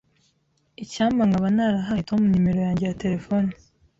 Icyampa nkaba ntarahaye Tom numero yanjye ya terefone.